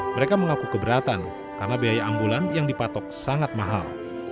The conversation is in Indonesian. mereka mengaku keberatan karena biaya ambulan yang dipatok sangat mahal